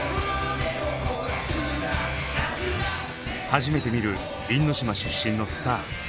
初めて見る因島出身のスター。